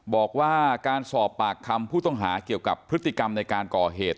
บอกว่าการสอบปากคำผู้ต้องหาเกี่ยวกับพฤติกรรมในการก่อเหตุ